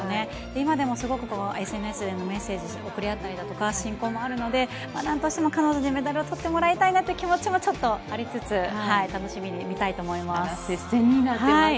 今でもすごくＳＮＳでもメッセージを送り合ったりだとか親交もあるのでなんとしても彼女たちにメダルを取ってもらいたいなという気持ちもちょっとありつつ楽しみに見たいと思います。